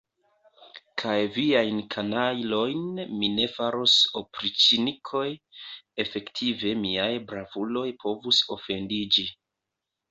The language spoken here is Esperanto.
Kaj viajn kanajlojn mi ne faros opriĉnikoj, efektive miaj bravuloj povus ofendiĝi.